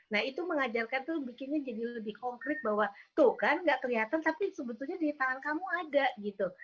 nah itu mengajarkan tuh bikinnya jadi lebih konkret bahwa tuh kan gak kelihatan tapi sebetulnya di tangan kamu ada gitu